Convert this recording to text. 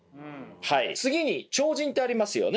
次に超人ってありますよね